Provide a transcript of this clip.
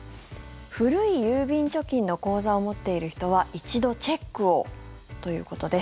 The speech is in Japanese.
古い郵便貯金の口座を持っている人は一度チェックをということです。